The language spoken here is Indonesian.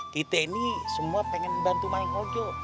kita ini semua pengen bantu main ojo